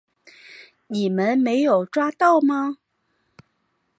你们没有抓到吗？